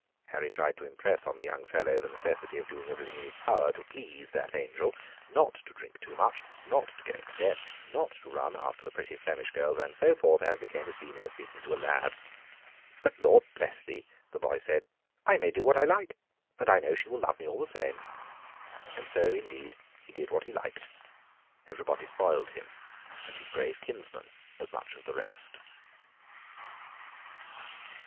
Harry tried to impress on the young fellow the necessity of doing everything in his power to please that angel; not to drink too much; not to go into debt; not to run after the pretty Flemish girls, and so forth, as became a senior speaking to a lad. "But Lord bless thee!" the boy said; "I may do what I like, and I know she will love me all the same;" and so, indeed, he did what he liked. Everybody spoiled him, and his grave kinsman as much as the rest.